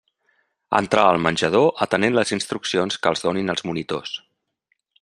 Entrar al menjador atenent les instruccions que els donin els monitors.